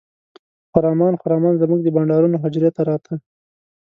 خرامان خرامان زموږ د بانډارونو حجرې ته راته.